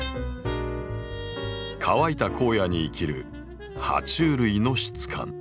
乾いた荒野に生きるは虫類の質感。